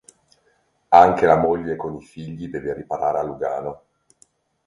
Anche la moglie con i figli deve riparare a Lugano.